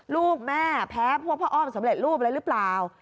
ลูกแม่แพ้พวกพระอ้อมสำเร็จรูปอะไรหรือเปล่า